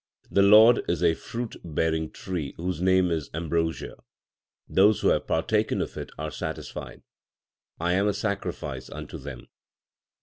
The Lord is a fruit bearing tree whose name is ambrosia. They who have partaken of it are satisfied ; I am a sacrifice unto them.